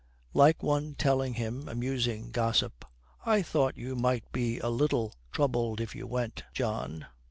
Like one telling him amusing gossip, 'I thought you might be a little troubled if you went, John.